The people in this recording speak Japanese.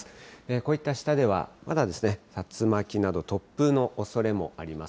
こういった下では、まだ竜巻など、突風のおそれもあります。